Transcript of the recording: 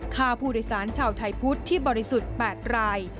ค่าพูดสร้างชาวไทยพุทธที่บริสุทธิ์ปากราย